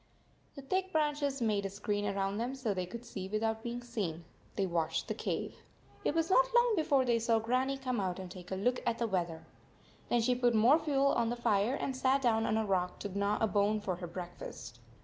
The thick branches made a screen around them so they could see without being seen. They watched the cave. It was not long be fore they saw Grannie come out and take a look at the weather. .Then she put more fuel on the fire and sat down on a rock to gnaw a bone for her breakfast.